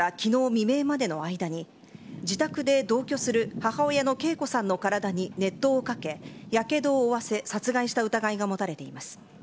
未明までの間に、自宅で同居する母親の桂子さんの体に熱湯をかけ、やけどを負わせ、殺害した疑いが持たれています。